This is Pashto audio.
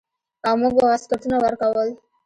او موږ به واسکټونه ورکول.